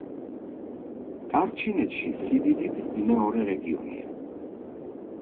ტარ ჩინეთში სიდიდით მეორე რეგიონია.